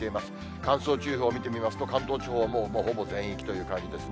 乾燥注意報見てみますと、関東地方はもうほぼ全域という感じですね。